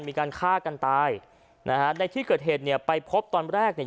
มีการฆ่ากันตายนะฮะในที่เกิดเหตุเนี่ยไปพบตอนแรกเนี่ย